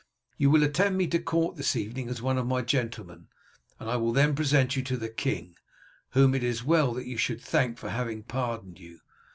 You will attend me to court this evening as one of my gentlemen, and I will then present you to the king, whom it is well that you should thank for having pardoned you.